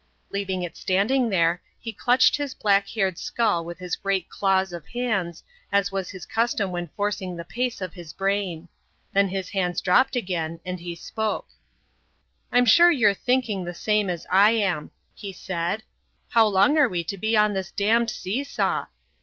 Leaving it standing there, he clutched his black haired skull with his great claws of hands, as was his custom when forcing the pace of his brain. Then his hands dropped again and he spoke. "I'm sure you're thinking the same as I am," he said; "how long are we to be on this damned seesaw?"